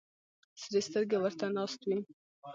سرې سترګې ورته ناست وي.